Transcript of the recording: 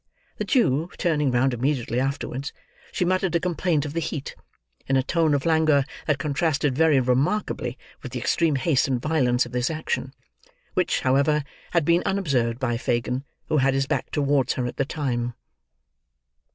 The Jew, turning round immediately afterwards, she muttered a complaint of the heat: in a tone of languor that contrasted, very remarkably, with the extreme haste and violence of this action: which, however, had been unobserved by Fagin, who had his back towards her at the time.